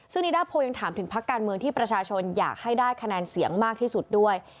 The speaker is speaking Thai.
ซึ่งนิดาโพยังถามถึงพักการเมืองที่ประชาชนอยากให้ได้คะแนนเสียงมากที่สุดด้วย